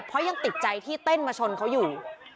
เพราะยังติดใจที่เต้นมาชนเขาอยู่